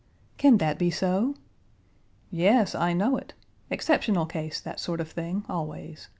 "Can that be so?" "Yes, I know it. Exceptional case, that sort of thing, always.